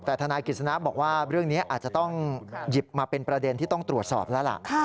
แต่ทนายกฤษณะบอกว่าเรื่องนี้อาจจะต้องหยิบมาเป็นประเด็นที่ต้องตรวจสอบแล้วล่ะ